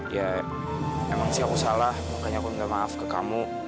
ya emang sih aku salah makanya aku minta maaf ke kamu